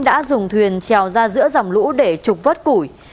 đã dùng thuyền trèo ra giữa dòng lũ để trục vớt củi